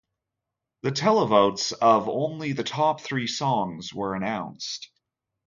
The televotes of only the top three songs were announced.